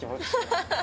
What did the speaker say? ハハハ。